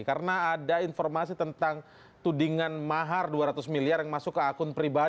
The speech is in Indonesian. karena ada informasi tentang tudingan mahar dua ratus miliar yang masuk ke akun priva